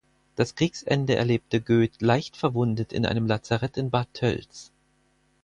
Das Kriegsende erlebte Göth leicht verwundet in einem Lazarett in Bad Tölz.